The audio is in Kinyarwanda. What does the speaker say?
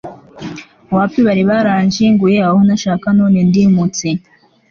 Wapi bari baranshyinguye aho ntashaka none ndimutse